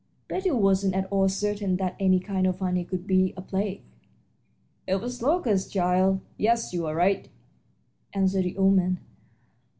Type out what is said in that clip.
Betty wasn't at all certain that any kind of honey could be a plague. "It was locusts, child yes, you're right," answered the old man.